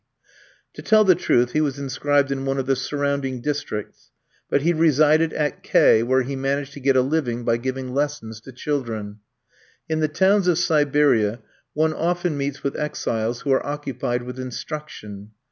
To tell the truth, he was inscribed in one of the surrounding districts; but he resided at K , where he managed to get a living by giving lessons to children. In the towns of Siberia one often meets with exiles who are occupied with instruction.